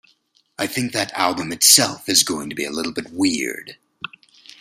I think that album itself is going to be a little bit weird.